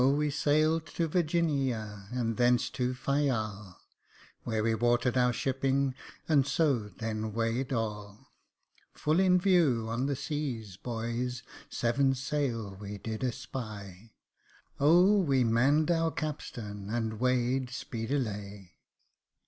we sailed to Virgi ni a, and thence to Fy al, Where we water'd our shipping, and so then weigh ed all, Full in view, on the seas — boys — seven sail we did — es py, O I we man ned our capstern, and weighed spee di ly.